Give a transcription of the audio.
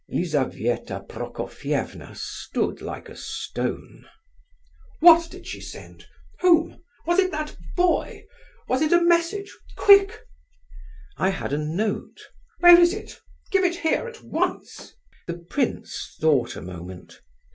Lizabetha Prokofievna stood like a stone. "What did she send? Whom? Was it that boy? Was it a message?—quick!" "I had a note," said the prince. "Where is it? Give it here, at once." The prince thought a moment.